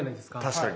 確かに。